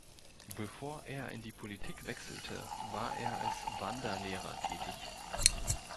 Bevor er in die Politik wechselte, war er als Wanderlehrer tätig.